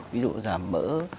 ví dụ giảm mỡ